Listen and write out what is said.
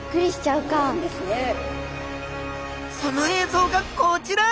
その映像がこちら。